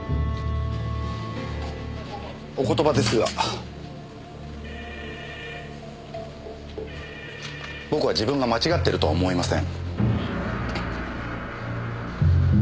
お言葉ですが僕は自分が間違っているとは思いません。